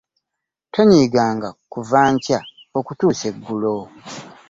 Tonyiiganga kuva nkya okutuusa eggulo.